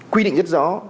quy định rất rõ